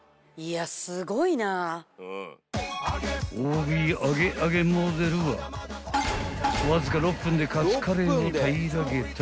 ［大食い揚げ揚げモデルはわずか６分でかつカレーを平らげた］